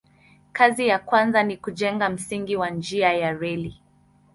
Kazi ya kwanza ni kujenga msingi wa njia ya reli.